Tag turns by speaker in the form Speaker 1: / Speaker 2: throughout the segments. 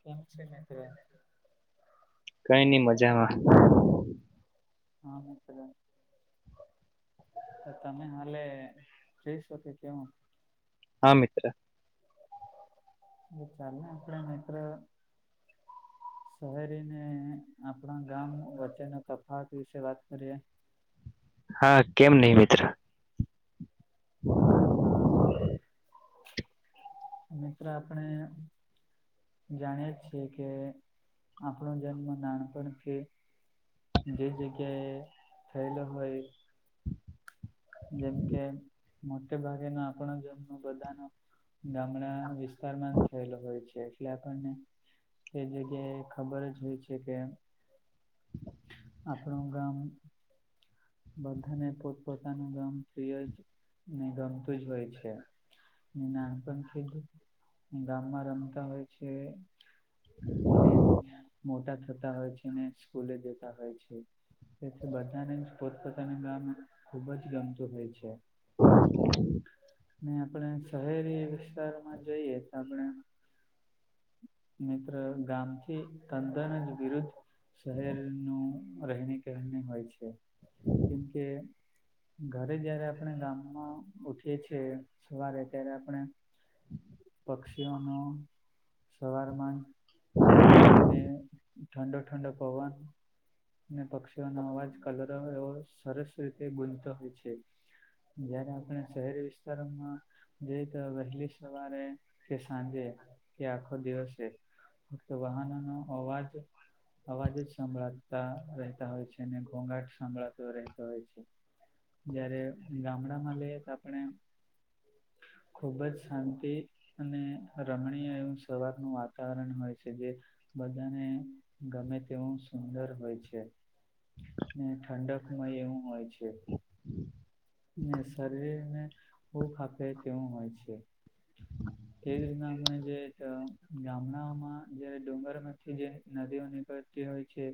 Speaker 1: કેમ છે મિત્ર?
Speaker 2: કઈ નઈ મજામાં.
Speaker 1: હા મિત્ર જ તમે હાલે જઈશો કે કેવું?
Speaker 2: હા મિત્ર.
Speaker 1: ચાલે આપડે મિત્ર શહેરીને આપણા ગામ વચ્ચેના તફાત વિશે વાત કરીએ.
Speaker 2: હા કેમ નહિ મિત્ર. હ
Speaker 1: હા મિત્ર આપણે જાણીએ છીએ કે આપણો જન્મ નાનપણથી જે જગ્યા એ થયેલો હોય જેમ કે મોટે ભાગેનો આપણ જન્મ બધાનો ગામડા વિસ્તારમાં થયેલો હોય છે એટલે આપણને તે જગ્યાએ ખબર જ હોય છે કે અપણ ગામ બધાને પોતપોતાનું ગામ પ્રિય જ ને ગમતું જ હોય છે. નાનપણથી જ ગામમાં રમતા હોય છે. ને મોટા થતા હોય છે, ને સ્કૂલે જતા હોય છે. તેથી બધાને જ પોતપોતાની ગામ ખુબ જ ગમતું હોય છે.
Speaker 2: હમ [inaudible]
Speaker 1: ને આપણેે શહેરી વિસ્તારમાં જઈએ તો આપણેે મિત્ર ગામથી તંદને જ વિરુધ શહેર નું રહેણી કેહેની હોય છે. કેમ કે ઘરે જયારે આપણે ગામમાં ઉઠીએ છીએ સવારે ત્યારે આપણે પક્ષીઓ ન સવાર માં જ ને ઠંડો ઠંડો પવન ને પક્ષીઓનો અવાજ કલરો એવો સરસ રીતે ગૂજતો હોય છે. જયારે આપણે શહેરી વિસ્ત શમ જે તો વહેલી સવારે કે સાંજે કે આખો દિવસે ફક્ત વાહનો નો અવાજ અવાજ જ સંભળા રહેતા હોય છે ને ઘોઘાટ સંભળાતો રહેતો હોય છે. જયારે ગામડામાં લઈએ તો આપણે ખુબ જ શાંતિ અને રમણીય એવું સવાર નું વાત કારણ હોય છે જે બધાને ગમે તેવું સુંદર હોય છે ને ઠંડકમય એવું હોય છે. ને શરીરને ભૂખ આપે તેવું હોય છે.
Speaker 2: [unintelligible]
Speaker 1: તેવી જ રીતના આપણે જે ગામડાઓમાં જે ડુંગરમાંથી જે નદીઓ નીકળ હોય છે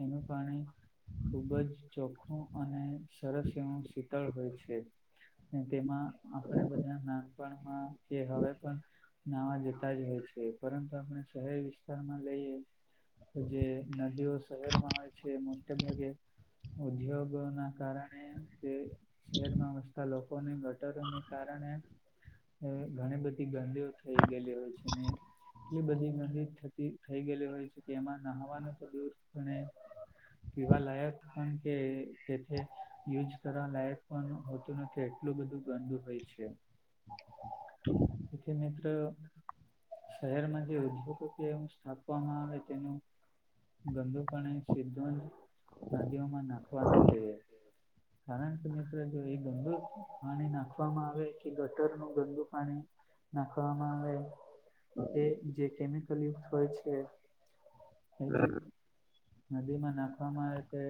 Speaker 1: એનું પાણી ખૂબ જ ચોખ્ખું અને સરસ એવું શીતળ હોય છે તેમાં આપણે બધા નાનપણમાં કે હવે પણ નાવા જતા જ હોય છે પરંતુ આપણે શહેરી વિસ્તારમાં લઈએ તો જે નદીઓ શહેરમાં હોય છે મોટે ભાગે ઉદ્યોગો ના કારણે તે શહેર માં વસતા લોકોની ગટરોને કારણે ઘણી બધી ગંદીઓ થઈ ગયેલી હોય છે ને એટલી બધી મંદી થતી થઈ ગયેલી હોય છે કે એમાં નહાવાનું તો દૂર ઘણે પવા લયક પણ કે તે યુજ કર લયક પણ નથી એટલું બધું ગંધ હોય છે મે શહેરમાં જે ઉદ્યોગતિ એવું સ્થાપવામાં આવે તેનું ગંદુપ સિ્ધવંત નદીઓમાં નાખવાનો છે કારણ કે મિત્રો જો એ ગંદુ પાણી નાખવામાં આવે કે ગટરનું ગંદુ પાણી નાખમાંતે એ જે કેમિકલ યુક્ હોય છે એ નદી માં નાખવામાં આવે કે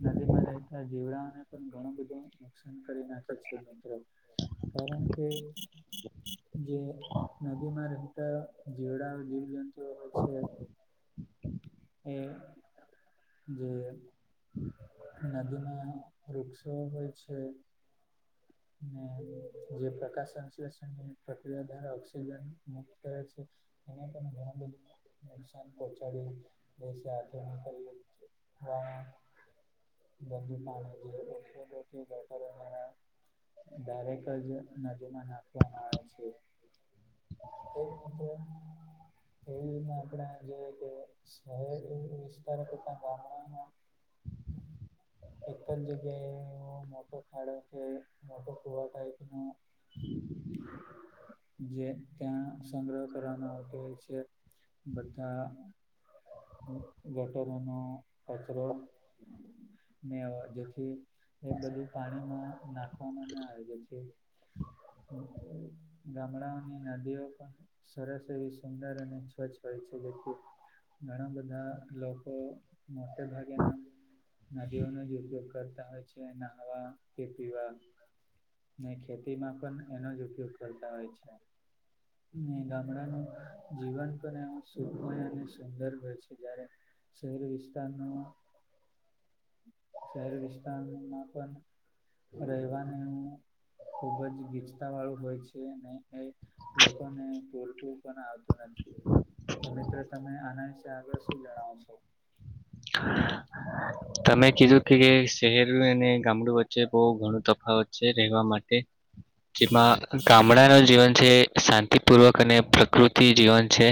Speaker 1: નદી માં રહેતા જીવડાઓને પણ ઘણું બધું નુકસાન કરી નાખે છે મિત્રો કારણ કે જે નદી માં રહેતા જીવડા જીવ જંતુઓ હોય છે એ જે નદીમાં વૃક્ષો હોય છે ને જે પ્રકાશ સંશ્લેષણની પ્રક્રિયા દ્વારા ઓક્સિજન મુક્ત કરે છે એને પણ ઘણું બધું નુકસાન પોહોચાડ્યું દ આચર કર્યું હા ગંદી પાણી ગટરગ દરેક જ નદીમાં નાખવામાં આવે છે તે તો તે રીના આપણે જે કે શ વિસ્તારતા ગામડામાં એક જ જગ્યાએ મોટો ખાડો છે વટો ખવા થાય ક ન
Speaker 2: હ
Speaker 1: જે ત્યાં સંગ્રહ કરવામાં આવતી હોય છે બધા ગટટેનો કચરો મે જેથી એ બધું પાણીમાં નાખવામાં ના આવે જેથી ગામડાઓની નદીઓ પણ સરસ એવી સુંદર અને સ્વચ્છ હોય છે ઘણા બધા લોકો મોટે ભાગે ના નદીઓનો જ ઉપયોગ કરતા હોય છે જે નાહવા કે પીવા ને ખેતી માં પણ એનો જ ઉપયોગ કરતા હોય છે ગામડાનું જીવન પણ એવ સુખમય અને સુંદર હોય છે જ્યારે શહેરી વિસ્તારનો શહેર વિસ્તારમાં પણ રહેવાને હું ખુબ જ ગીચતા વાળું હોય છે એ લોકો ને બોલતું પણ આવતું નથી તો મિત્રો તમે આના વિશે આગળ શું જણાવશો
Speaker 2: તમે કીધું કે શહેર અને ગામડું વચ્ચે બહ ઘણું ત હો છે રહેવા માટે જેમાં ગામડા નુ જીવન છે. શાંતિપૂર્વક અને પ્રકૃતિ જીવન છે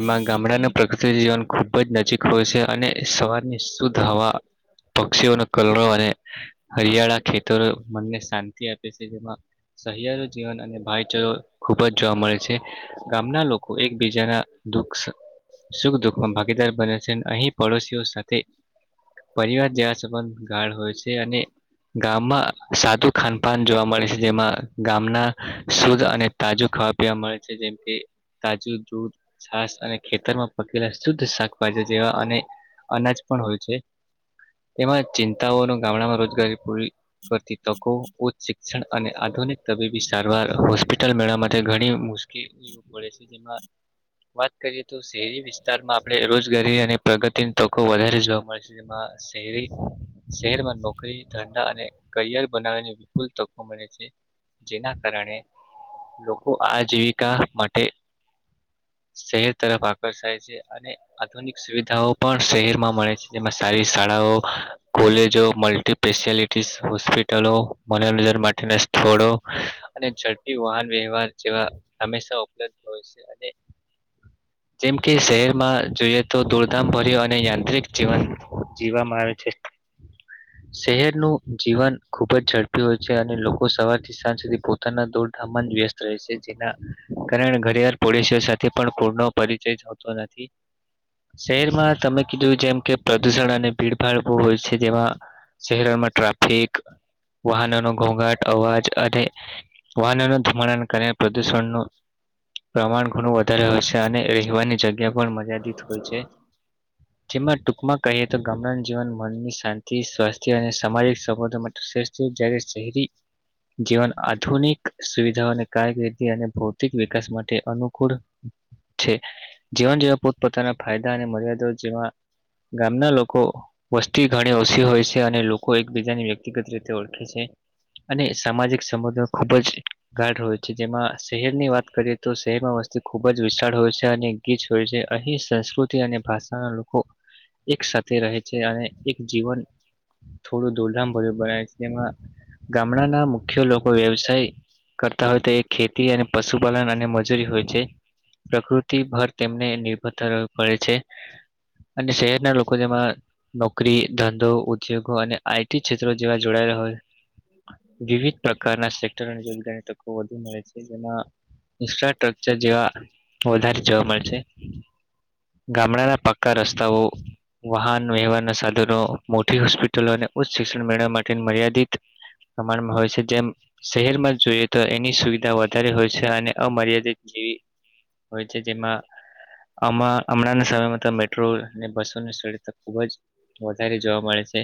Speaker 2: એમાં ગામડા પ્રક જીવન ખૂબ જ નજીક હોય છે અને સવારની શુદ્ધ હવા પક્ષીઓનો કલરો અને હરિયાળા ખેતરો મનને શાંતિ આપે છે જેમાં સહિયારો જીવન અને ભાઈચારો ખુબ જ જોવા મળે છે. ગામના લોકો એકબીજાના દુખ સુખ દુઃખમાં ભાગીદાર બને છે અને અહીં પડોશીઓ સાથે પરિવાર જેવા સંબંધ ગાળ હોય છે અને ગામમાં સાદું ખાનપાન જોવા મળે છે જેમાં ગામના શુદ્ધ અને તાજુ ખવા મળે છે જેમ કે તાજું દૂધ છાસ અને ખેતર માં પકેલા શુદ્ધ શાકભાજી જેવા અને અનાજ પણ હોય છે એમાં ચિંતાઓનું ગામડામાં રોજગારી પૂરી કરતી તકો ઉચ્ચ શિક્ષણ અને આધુનિક તબીબી સારવાર હોસ્પિટલ મેળવવા માટે ઘણી મુશ્કેલી પડે છે જેમાં વાત કરીએ તો શહેરી વિસ્તારમાં આપણે રોજગારી અને પ્રગતિની તકો વધારે જોવા મળશે. શરી શહેરમાં નોકરી ધંધા અને કરિયર બનાવવાની બિલકુલ તકો મળે છે. જેના કારણે લોકો આ જીવિકા માટે શહેર તરફ આકર્ષાય છે અને આધુનિક સુવિધા તવ પણ શહેરમાં મળે છે જેમાં સારી શાળાઓ કોલેજો મલ્ટી સ્પેશિયાલિટી હોસ્પિટલો મનોરંજન માટે સ્થળ અને ઝડપી વાહન વ્યવહાર જેવા હંમેશા ઉપલબ્ધ હોય છે અને જેમ કે શહેરમાં જોઈએ તો દૂર ઉમ ભર્યું અને યાંત્રિક જીવન જીવવામાં આવે છે. શહેરનું જીવન ખુબ જ ઝડપી હોય છે અને લોકો સવારથી પોતાના દૂરધામન વ્યસ્ત રહે છે જેના કારણે ઘડિયાળ પોડોશીઓ સાથે પણ પુનો પરિચય જતો નથી. શહેરમાં તમે કીધું જેમ કે પ્રદુષણ અને ભીડભાડ બહુ હોય છે જેમાં શહેરોમાં ટ્રાફિક વાહનો ન ઘોઘાટ અવાજ અને વાહનો ન ધુમાણ કરીને પ્રદુષણ ન પ્રમાણ ઘણું વધારે હોય છે અને રહેવાની જગ્યા પણ મર્યાદિત હોય છે. જેમાં ટૂંકમાં કહીએ તો ગામડા જીવન મનની શાંતિ સ્વાસ્થ્ય અને સામાજિક સંબંધો માટે જગ શહેરી જીવન આધુનિક સુવિધાઓ અને કારકિર્દી અને ભૌતિક વિકાસ માટે અનુકૂળ છે જીવન જેવા પોતપોતાના ફાયદા અને મર્યાદા જેવા ગામના લોકો વસ્તી ઘણી ઓછી હોય છે અને લોકો એકબીજાની વ્યક્તિગત રીતે ઓળખે છે. અને સામાજિક સંબંધો ખુબ જ ગાટ હોય છે જેમાં શહેર ની વાત કરીએ તો શહેરમાં વસ્તી ખુબ જ વિશાળ હોય છે અને કું હોય છે અહી સંસ્ કુતિ અને ભાષાના લોકો એક સાથે રહે છે અને એક જીવન થોડું દૂધામ ભર્યું બનાય છે જેમાં ગામડાના મુખ્ય લોકો વ્યવસાય કરતા હોય તો એ ખેતી અને પશુપાલન અને મજૂરી હોય છે. પ્રકૃતિ પરર તેમને નિર્ભરતા રહેવી પડે છે. અને શહેરના લોકો જેમાં નોકરી ધંધો ઉદ્યોગો અને આઈટી ક્ષેત્રો જેવા જોડાયેલા હોય. વિવિધ પ્રકારના સેક્ટર અને રોજગારી તકો વધુ મળે છે જેમાં ઇન્ફ્રાસ્ટ્રક્ચર જેવા વધારે જોવા મળશે. ગામડાના પક્કા રસ્તાઓ વાહન વ્યવહારના સાધનો મોટી હોસ્પિટલોને ઉચ્ચ શિક્ષણ મેળવવા માટે મર્યાદિત તમારા હોય છે જેમ શહેરમાં જોઈએ તો એની સુવિધા વધારે હોય છે અને અમર્યાદિત જેવી હોય છે જેમાં આમાં. હમણાં સમયમાં તો મેટ્રો અને બસો ની સુવિધા ખુબ જ વધારે જોવા મળે છે.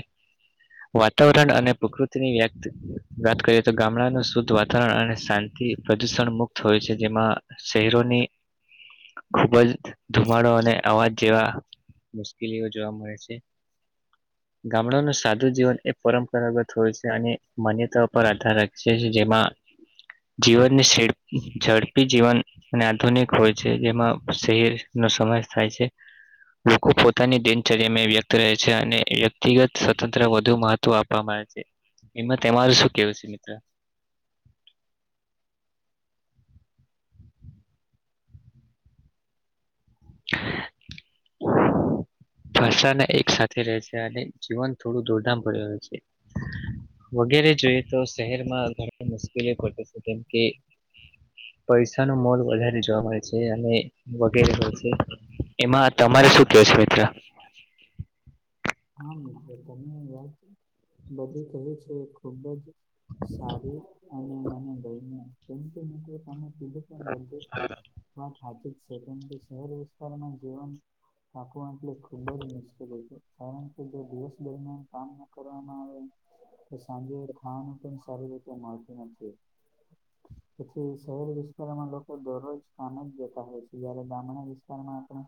Speaker 2: વાતાવરણ અને પ્રકૃતિની વ્યક્ત વાત કરીએ તો ગામડાનું શુદ્ધ વાતાવરણ અને શાંત તી પ્રદૂષણ મુક્ત હોય છે જેમાં શહેરોની ખુબ જ. માળો અને અવાજ જેવા મુશ્કેલીઓ જોવા મળે છે ગામડા સાદુ જીવન એ પરંપરાગત હોય છે અને માન્યતા પર આધાર રાખ છે જેમાં જીવનની સેડ ઝડપી જીવન અને આધુનિક હોય છે જેમાં શહેર નો સમાવેશ થાય છે. લોકો પોતાની દિનચર્યામાં વ્યક્ત રહે છે અને વ્યક્તિગત સ્વતંત્ર વધુ મહત્વ તો આપવામાં આવે છે એમાં તમારું શું કેવું છે મિત્ર? [inaudible] ભાષા એક સાથે રહે છે અને જીવન થોડું દોડધામ ભર્યું હોય છે. વગેરે જોઈએ તો શહેરમાં ઘણી મુશ્કેલી ઘટે છે, કેમ કે પૈસા નો મોલ વધારે જોવા મળે છે અને વગેરે હોય છે. એમાં તમારે શું કેવું છે મિત્ર?
Speaker 1: [inaudible]
Speaker 2: [inaudible]
Speaker 1: હા મિત્ર તમે વાત બધું કહી છે ખુબ જ સારી અને મને લઈને કેમ કે મિત્ર તમે. [inaudible] બર્ડે હા. હાજી જ સેકન્ડલી શહેર વિસ્તારમાં જીવન રાખવું એટલે ખૂબ જ મુશ્કેલી હોય છે. કારણ કે જે દિવસ દરમિયાન કામ ન કરવામાં આવે. તે સાંજે ખાવાનું પણ સારી રીતે મળતું નથી.
Speaker 2: [inaudible]
Speaker 1: તેથી શહેરી વિસ્તારમાં લોકો દરરોજ સ્થાને જતા હોય છે જયારે ગામડા વિસ્તારમાં આપણે.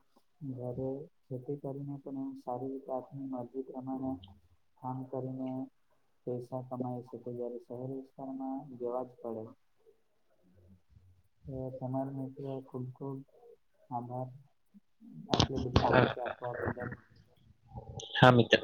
Speaker 1: જયારે ખેતી કરીને પણ એ સારી પ્રાથની મરજી પ્રમાણે. કામ કરીને. પૈસા કમાય છેકે જય્યારે શહેરી વિસ્તારમાં જવા જ પડે. હ તમારો મિત્ર ખૂબ ખૂબ આભાર. આટલી બધી માહિતી આપવા બદલ.
Speaker 2: હા મિત્ર.